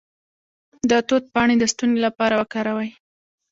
د توت پاڼې د ستوني لپاره وکاروئ